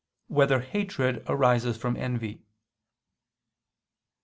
6] Whether Hatred Arises from Envy?